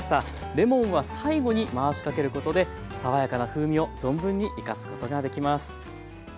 レモンは最後に回しかけることで爽やかな風味を存分に生かすことができます。